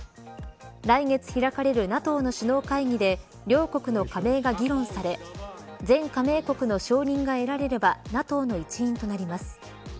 来月開かれるＮＡＴＯの首脳会議で両国の加盟が議論され全加盟国の承認が得られればＮＡＴＯの一員となります。